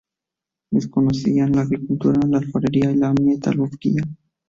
Desconocían la agricultura, la alfarería y la metalurgia.